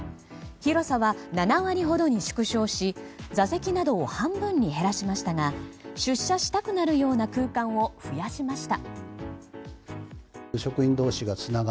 広さは７割ほどに縮小し座席などを半分に減らしましたが出社したくなるような空間を増やしました。